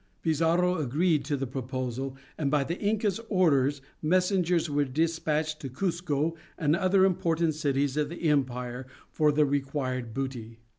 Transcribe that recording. Pizarro agreed to the proposal, and by the Inca's orders messengers were despatched to Cuzco and other important cities of the empire, for the required booty.